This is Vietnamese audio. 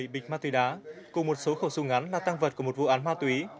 một mươi bịch ma túy đá cùng một số khẩu súng ngắn là tăng vật của một vụ án ma túy